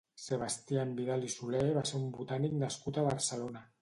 Sebastián Vidal i Soler va ser un botànic nascut a Barcelona.